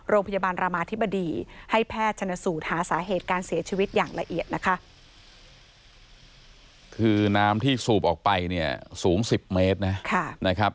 คือน้ำที่สูบออกไปเนี่ยสูง๑๐เมตรนะนะครับ